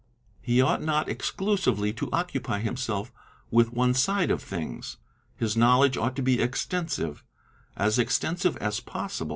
He ought not exclusively to occupy himself with one side of — his knowledge ought to be extensive,—as extensive as possible.